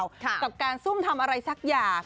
มันเทิงหรือเปล่ากับการซุ่มทำอะไรสักอย่าง